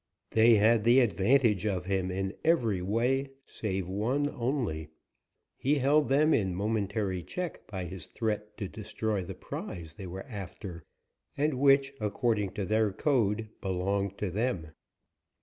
They had the advantage of him in every way save one only. He held them in momentary check by his threat to destroy the prize they were after, and which, according to their code, belonged to them.